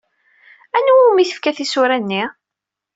Anwa umi tefka tisura-nni?